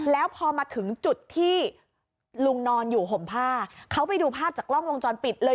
แล้วพอมาถึงจุดที่ลุงนอนอยู่ห่มผ้าเขาไปดูภาพจากกล้องวงจรปิดเลย